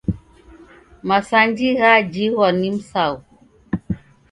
Masanji ghajhingwa ni msaghu.